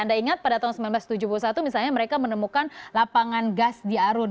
anda ingat pada tahun seribu sembilan ratus tujuh puluh satu misalnya mereka menemukan lapangan gas di arun